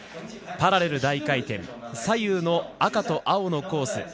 パラレル大回転左右の赤と青のコース